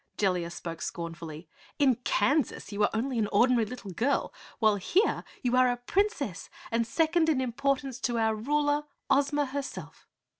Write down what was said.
Jellia spoke scornfully. "In Kansas you were only an ordinary little girl, while here you are a Princess and second in importance to our Ruler, Ozma herself."